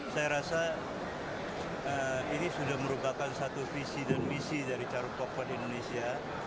saya rasa ini sudah merupakan satu visi dan misi dari charun pokpan indonesia